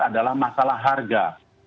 adalah masalah harga